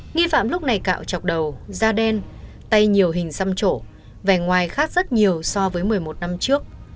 nghi phạm lúc này cạo chọc đầu da đen tay nhiều hình xăm trổ vẻ ngoài khác rất nhiều so với một mươi một năm trước